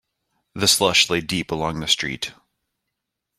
The slush lay deep along the street.